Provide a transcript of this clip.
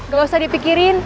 gak usah dipikirin